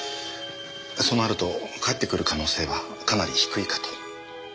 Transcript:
そうなると返ってくる可能性はかなり低いかと。